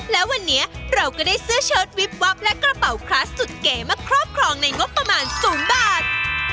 และวันนี้เราก็ได้เสื้อเชิดวิบวับและกระเป๋าคลาสสุดเก๋มาครอบครองในงบประมาณสูงบาท